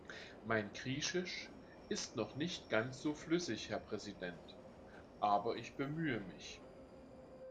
Mein "Griechisch" ist noch nicht ganz so flüssig, Herr Präsident, aber ich bemühe mich.